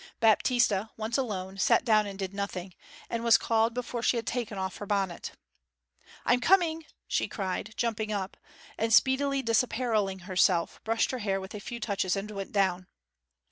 Baptista, once alone, sat down and did nothing; and was called before she had taken off her bonnet. 'I'm coming,' she cried, jumping up, and speedily disapparelling herself, brushed her hair with a few touches and went down.